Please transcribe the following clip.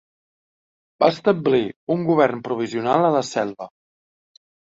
Va establir un govern provisional a la selva.